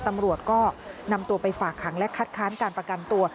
ตำรวจก็นำตัวไปฝากขังและคัดค้านการประกันตัว